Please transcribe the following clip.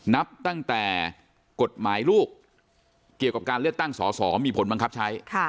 นับตั้งแต่กฎหมายลูกเกี่ยวกับการเลือกตั้งสอสอมีผลบังคับใช้